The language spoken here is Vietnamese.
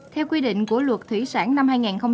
theo quy định của luật thủy sản năm hai nghìn một mươi bảy